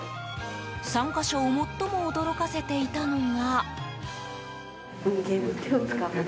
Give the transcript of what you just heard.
参加者を最も驚かせていたのが。